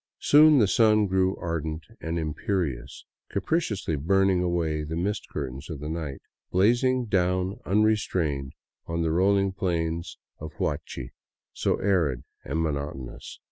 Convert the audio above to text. Soon the sun grew ardent and imperious, capriciously burning away the mist curtains of the night, blazing down unrestrained on the rolling plains of Huachi, so arid and monotonous.